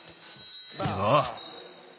いいぞ。